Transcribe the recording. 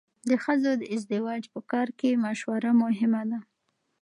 د ښځو د ازدواج په کار کې مشوره مهمه ده.